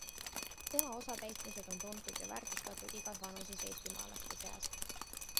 Tema osatäitmised on tuntud ja väärtustatud igas vanuses eestimaalaste seas.